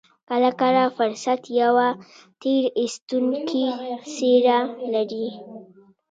کله کله فرصت يوه تېر ايستونکې څېره لري.